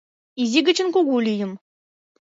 Изи гычын кугу лийым